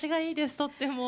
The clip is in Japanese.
とっても。